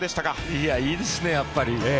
いや、いいですね、やっぱり。